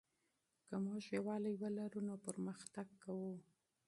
که موږ یووالی ولرو نو پرمختګ کوو.